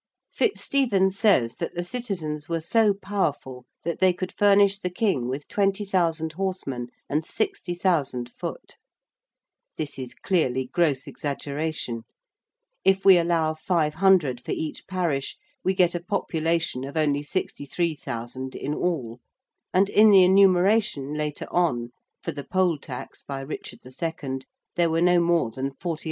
FitzStephen says that the citizens were so powerful that they could furnish the King with 20,000 horsemen and 60,000 foot. This is clearly gross exaggeration. If we allow 500 for each parish, we get a population of only 63,000 in all, and in the enumeration later on, for the poll tax by Richard the Second, there were no more than 48,000.